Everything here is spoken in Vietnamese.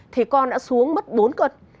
thì con đã xuống mất bốn cực